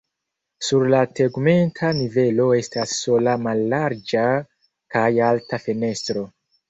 Sur la tegmenta nivelo estas sola mallarĝa kaj alta fenestro.